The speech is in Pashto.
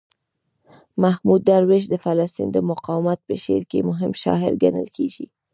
محمود درویش د فلسطین د مقاومت په شعر کې مهم شاعر ګڼل کیږي.